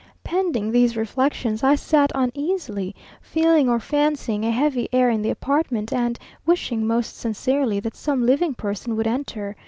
Pending these reflections, I sat uneasily, feeling or fancying a heavy air in the apartment, and wishing, most sincerely, that some living person would enter.